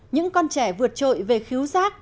những con trẻ vượt trội về khíu giác